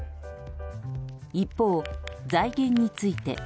一方、財源について。